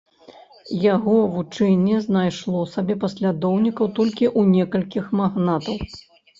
Яго вучэнне знайшло сабе паслядоўнікаў толькі ў некалькіх магнатаў.